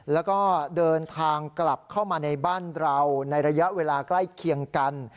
แล้วก็เดินทางกลับเข้ามาในบ้านเราในระยะเวลาใกล้เคียงกัน